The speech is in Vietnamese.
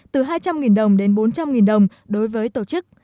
từ hai trăm linh đồng đến bốn trăm linh đồng đối với tổ chức